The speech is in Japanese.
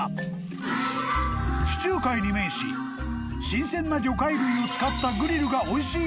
［地中海に面し新鮮な魚介類を使ったグリルがおいしい